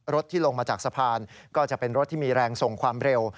ที่ลงมาจากสะพานก็จะเป็นรถที่มีแรงส่งความเร็ว